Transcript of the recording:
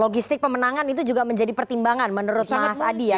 logistik pemenangan itu juga menjadi pertimbangan menurut mas adi ya